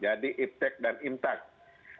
jadi kita harus memiliki keas depan